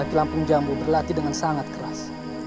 kilampung jambu berlatih dengan sangat keras